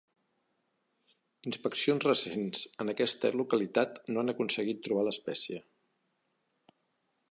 Inspeccions recents en aquesta localitat no han aconseguit trobar l'espècie.